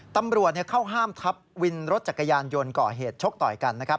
ตำรวจเข้าห้ามทับวินรถจักรยานยนต์ก่อเหตุชกต่อยกันนะครับ